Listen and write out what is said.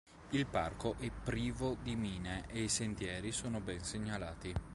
Il parco è privo di mine e i sentieri sono ben segnalati.